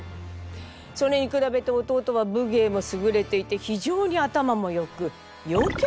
それに比べて弟は武芸も優れていて非常に頭もよく陽キャ？